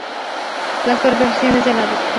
Las perversiones de la Dra.